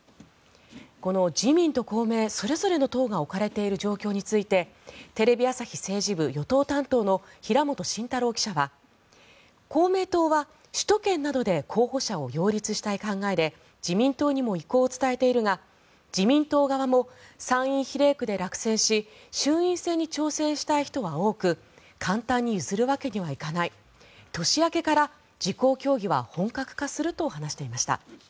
この自民党と公明それぞれの党が置かれている状況についてテレビ朝日政治部与党担当の平元真太郎記者は公明党は首都圏などで候補者を擁立したい考えで自民党にも意向を伝えているが自民党側も参院比例区で落選し衆院選に挑戦したい人は多く簡単に譲るわけにはいかない年明けから自公協議は本格化すると話していました。